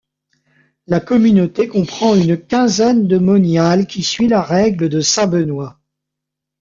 La communauté comprend une quinzaine de moniales qui suit la règle de saint Benoît.